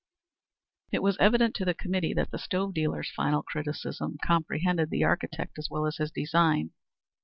It was evident to the committee that the stove dealer's final criticism comprehended the architect as well as his design.